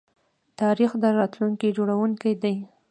تاریخ د راتلونکي جوړونکی دی.